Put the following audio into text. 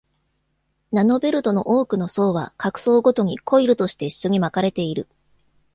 ナノベルトの多くの層は、各層ごとにコイルとして一緒に巻かれている。